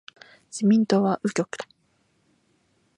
自民党は右翼だ。